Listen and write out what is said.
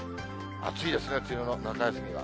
暑いですね、梅雨の中休みは。